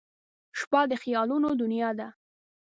• شپه د خیالونو دنیا ده.